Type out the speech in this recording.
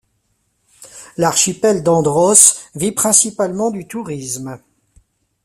L'archipel d'Andros vit principalement du tourisme.